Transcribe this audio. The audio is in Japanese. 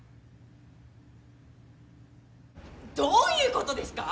どういう事ですか！